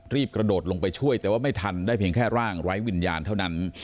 กระโดดลงไปช่วยแต่ว่าไม่ทันได้เพียงแค่ร่างไร้วิญญาณเท่านั้น